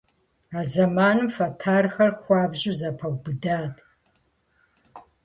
А зэманым фэтэрхэр хуабжьу зэпэубыдат.